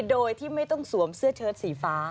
โดยที่ไม่ต้องสวมเสื้อเชิดสีฟ้า